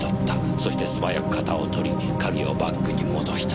そして素早く型を取り鍵をバッグに戻した。